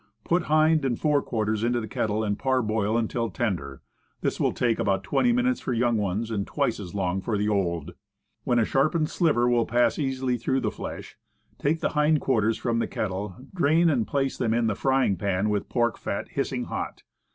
Put hind and fore quarters into the kettle, and parboil until tender. This will take about twenty minutes for young ones, and twice as long for the old. When a sharpened sliver will pass easily through the flesh, take the hindquarters from the kettle, drain, and place them in the frying pan with pork fat hiss ing hot.